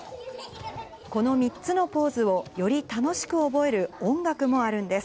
この３つのポーズをより楽しく覚える音楽もあるんです。